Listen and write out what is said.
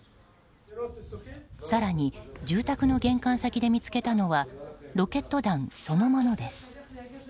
更に住宅の玄関先で見つけたのはロケット弾そのものです。